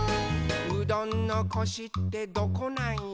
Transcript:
「うどんのコシってどこなんよ？」